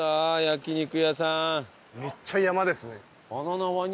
めっちゃ山ですね。